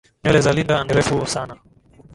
Nywele za linda ni refu sana.